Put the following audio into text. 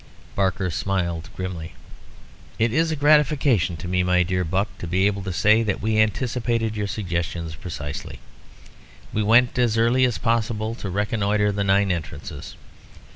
Barker smiled grimly. "It is a gratification to me, my dear Buck, to be able to say that we anticipated your suggestions precisely. We went as early as possible to reconnoitre the nine entrances.